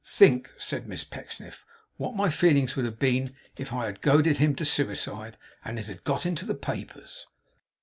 Think,' said Miss Pecksniff, 'what my feelings would have been, if I had goaded him to suicide, and it had got into the papers!